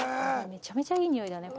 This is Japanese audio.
めちゃめちゃいいにおいだね